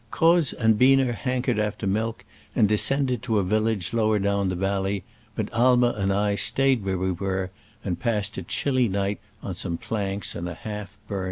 Croz and Biener hankered after milk, and descended to a village lower down the valley, but Aimer and I stayed where we were, and passed a chilly night on some planks in a half burnt chalet.